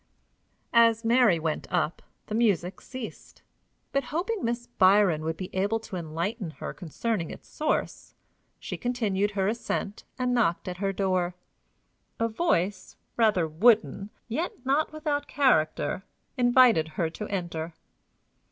As Mary went up, the music ceased; but, hoping Miss Byrom would be able to enlighten her concerning its source, she continued her ascent, and knocked at her door. A voice, rather wooden, yet not without character, invited her to enter.